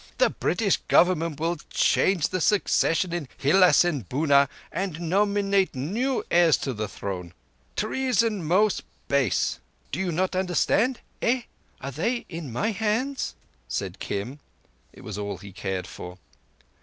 The British Government will change the succession in Hilás and Bunár, and nominate new heirs to the throne. 'Trea son most base' ... but you do not understand? Eh?" "Are they in thy hands?" said Kim. It was all he cared for.